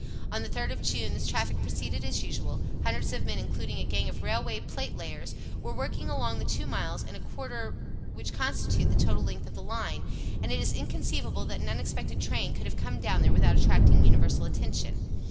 On the 3rd of June this traffic proceeded as usual; hundreds of men including a gang of railway platelayers were working along the two miles and a quarter which constitute the total length of the line, and it is inconceivable that an unexpected train could have come down there without attracting universal attention.